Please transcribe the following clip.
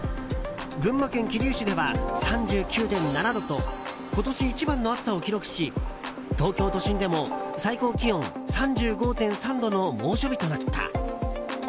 群馬県桐生市では３９．７度と今年一番の暑さを記録し東京都心でも最高気温３５．３度の猛暑日となった。